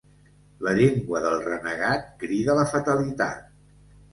La llengua del renegat crida la fatalitat.